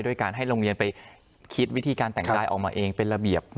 การให้โรงเรียนไปคิดวิธีการแต่งกายออกมาเองเป็นระเบียบ